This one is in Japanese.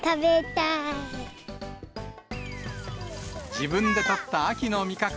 自分でとった秋の味覚。